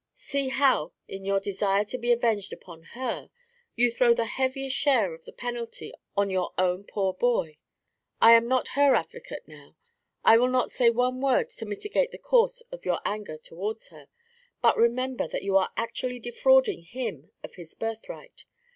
See how, in your desire to be avenged upon her, you throw the heaviest share of the penalty on your own poor boy. I am not her advocate now. I will not say one word to mitigate the course of your anger towards her, but remember that you are actually defrauding him of his birthright.